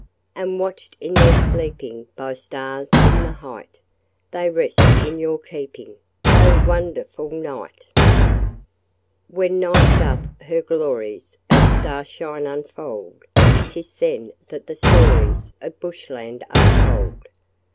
And watched in their sleeping By stars in the height, They rest in your keeping, Oh, wonderful night. When night doth her glories Of starshine unfold, 'Tis then that the stories Of bush land are told.